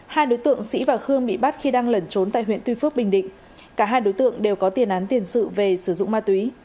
hai đối tượng sĩ và khương bị bắt khi đang lẩn trốn tại huyện tuy phước bình định cả hai đối tượng đều có tiền án tiền sự về sử dụng ma túy